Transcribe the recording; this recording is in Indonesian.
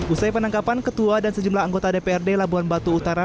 usai penangkapan ketua dan sejumlah anggota dprd labuan batu utara